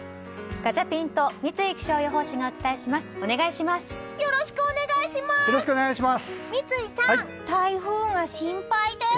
ガチャピンと三井気象予報士がお伝えします、お願いします。